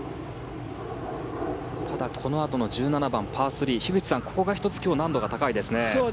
ただ、このあとの１７番、パー３樋口さん、ここが１つ今日、難度が高いですね。